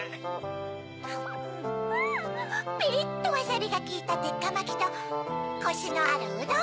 ・ピリっとワサビがきいたてっかまきとコシのあるうどん。